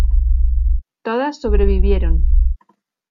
Todas sobrevivieron.